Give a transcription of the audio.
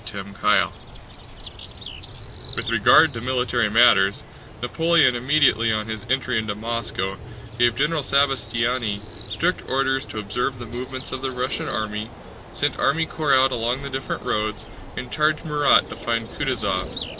CHAPTER IX With regard to military matters, Napoleon immediately on his entry into Moscow gave General Sabastiani strict orders to observe the movements of the Russian army, sent army corps out along the different roads, and charged Murat to find Kutúzov.